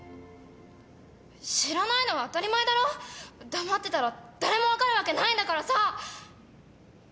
知らないのは当たり前だろ黙ってたら誰も分かるわけないんだからさ！